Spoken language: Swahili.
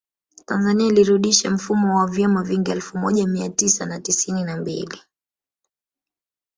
Tanzania ilirudisha mfumo wa vyama vingi elfu moja Mia tisa na tisini na mbili